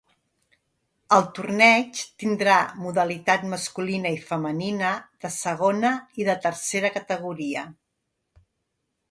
El torneig tindrà modalitat masculina i femenina, de segona i de tercera categoria.